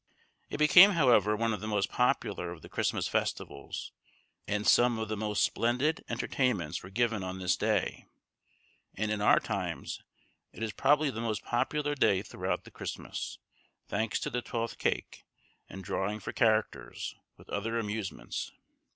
It became, however, one of the most popular of the Christmas festivals, and some of the most splendid entertainments were given on this day; and in our times it is probably the most popular day throughout the Christmas, thanks to the Twelfth Cake, and drawing for characters, with other amusements.